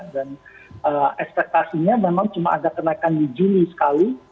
dan ekspektasinya memang cuma ada kenaikan di juni sekali